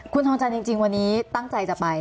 คุณทองจันทร์จริงวันนี้ตั้งใจจะไป